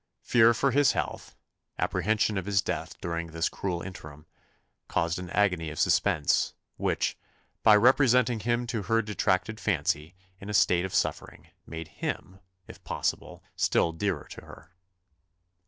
Fear for his health, apprehension of his death during this cruel interim, caused an agony of suspense, which, by representing him to her distracted fancy in a state of suffering, made him, if possible, still dearer to her.